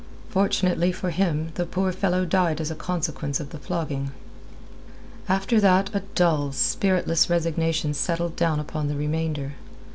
Fortunately for him the poor fellow died as a consequence of the flogging. After that a dull, spiritless resignation settled down upon the remainder.